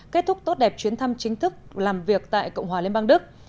kết thúc tốt đẹp chuyến thăm chính thức làm việc tại cộng hòa liên bang đức